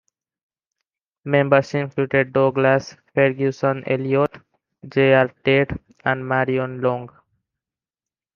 Members included Douglas Ferguson Elliott, J. R. Tate, and Marion Long.